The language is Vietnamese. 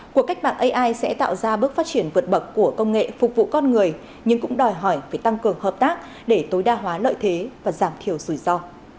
cuộc cách mạng ai sẽ tạo ra bước phát triển vượt bậc của công nghệ phục vụ con người nhưng cũng đòi hỏi phải tăng cường hợp tác để tối đa hóa lợi thế và giảm thiểu rủi ro